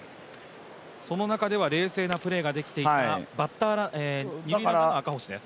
その中では冷静なプレーができていた、二塁ランナーの赤星です。